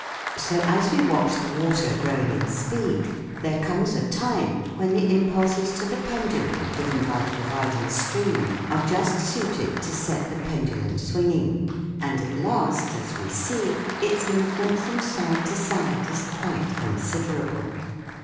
So, as we watch the water growing in speed, there comes a time when the impulses to the pendulum given by the dividing stream are just suited to set the pendulum swinging, and at last, as we see, its movement from side to side is quite considerable.